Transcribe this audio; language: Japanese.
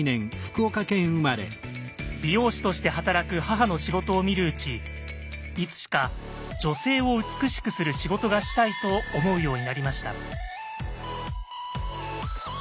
美容師として働く母の仕事を見るうちいつしか「女性を美しくする仕事がしたい」と思うようになりました。